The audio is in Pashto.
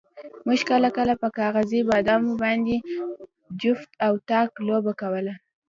موږ کله کله په کاغذي بادامو باندې جفت او طاق لوبه کوله.